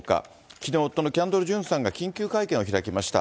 きのう、夫のキャンドル・ジュンさんが緊急会見を開きました。